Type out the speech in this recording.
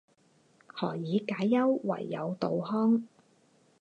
何以解忧，唯有杜康